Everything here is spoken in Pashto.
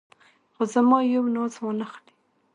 خو زما یو ناز وانه خلې.